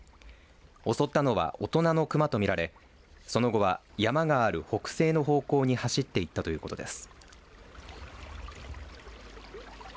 襲ったのは大人のクマと見られその後は山がある北西の方向に走っていったということです。